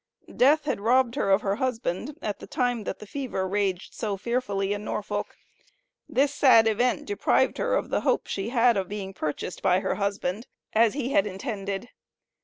Death had robbed her of her husband at the time that the fever raged so fearfully in Norfolk. This sad event deprived her of the hope she had of being purchased by her husband, as he had intended.